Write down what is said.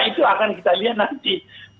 itu akan kita lihat nanti